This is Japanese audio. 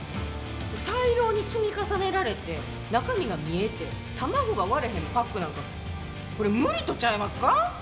大量に積み重ねられて中身が見えて卵が割れへんパックなんかこれ無理とちゃいまっか？